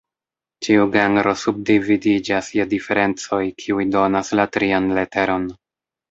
Ĉiu Genro subdividiĝas je "Diferencoj", kiuj donas la trian leteron.